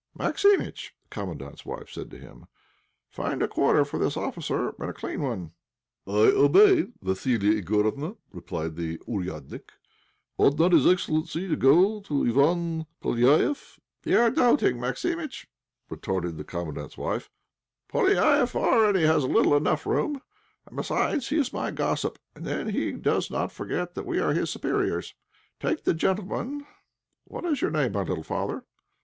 "Maximitch," the Commandant's wife said to him, "find a quarter for this officer, and a clean one." "I obey, Vassilissa Igorofna," replied the "ouriadnik." "Ought not his excellency to go to Iwán Poléjaïeff?" "You are doting, Maximitch," retorted the Commandant's wife; "Poléjaïeff has already little enough room; and, besides, he is my gossip; and then he does not forget that we are his superiors. Take the gentleman What is your name, my little father?"